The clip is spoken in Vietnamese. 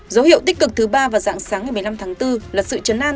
dấu hiệu tích cực thứ ba vào dạng sáng ngày một mươi năm tháng bốn là sự chấn an